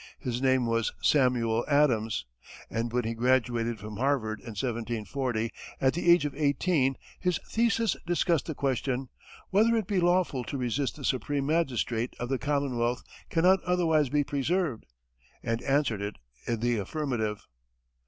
His name was Samuel Adams, and when he graduated from Harvard in 1740, at the age of eighteen, his thesis discussed the question, "Whether it be lawful to resist the supreme magistrate if the commonwealth cannot otherwise be preserved," and answered it in the affirmative.